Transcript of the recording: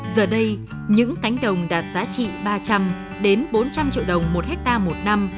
giờ đây những cánh đồng đạt giá trị ba trăm linh bốn trăm linh triệu đồng một hectare một năm